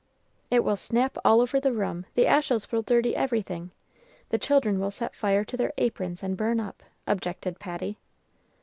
"It will snap all over the room. The ashes will dirty everything. The children will set fire to their aprons, and burn up!" objected Patty.